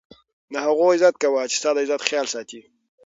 د هغو عزت کوه، چي ستا دعزت خیال ساتي.